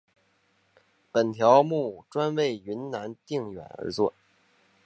本条目专为云南定远而作。